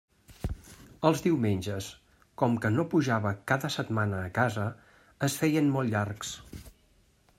Els diumenges, com que no pujava cada setmana a casa, es feien molt llargs.